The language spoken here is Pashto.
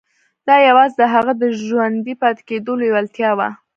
دا يوازې د هغه د ژوندي پاتې کېدو لېوالتیا وه.